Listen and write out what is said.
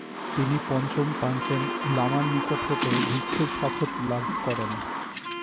তিনি পঞ্চম পাঞ্চেন লামার নিকট হতে ভিক্ষুর শপথ লাভ করেন।